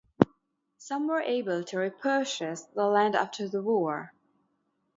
Some were able to repurchase the land after the war.